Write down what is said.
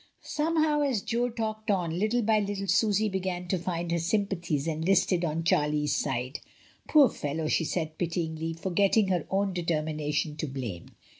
Somehow, as Jo talked on, little by little Susy began to find her sympathies enlisted on Charlie's side. "Poor fellow!" she said pityingly, forgetting her own determination to blame.